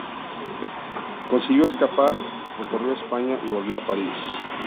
Consiguió escapar, recorrió España y volvió a París.